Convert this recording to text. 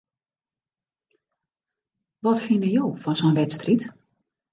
Wat fine jo fan sa'n wedstriid?